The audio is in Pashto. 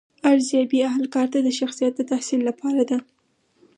ارزیابي اهل کار ته د شخصیت د تحسین لپاره ده.